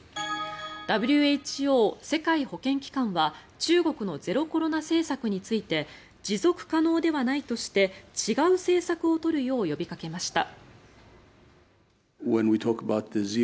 ＷＨＯ・世界保健機関は中国のゼロコロナ政策について持続可能ではないとして違う政策を取るよう呼びかけました。